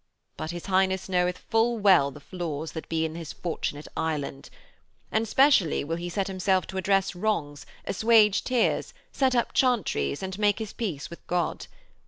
But his Highness knoweth full well the flaws that be in his Fortunate Island. And specially will he set himself to redress wrongs, assuage tears, set up chantries, and make his peace with God.